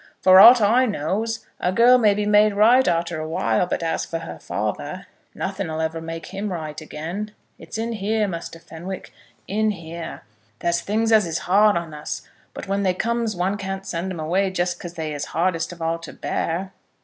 For ought I knows a girl may be made right arter a while; but as for her father, nothing 'll ever make him right again. It's in here, Muster Fenwick, in here. There's things as is hard on us; but when they comes one can't send 'em away just because they is hardest of all to bear.